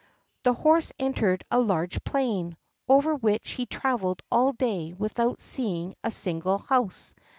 The horse entered a large plain, over which he travelled all day without seeing a single house.